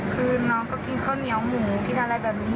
คือน้องก็กินข้าวเหนียวหมูกินอะไรแบบนี้